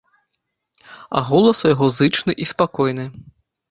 А голас у яго зычны і спакойны.